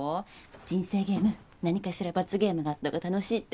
人生ゲーム何かしら罰ゲームがあったほうが楽しいって。